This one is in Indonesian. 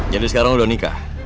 jadi sekarang lo udah nikah